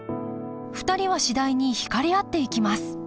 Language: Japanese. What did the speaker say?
２人は次第に引かれ合っていきます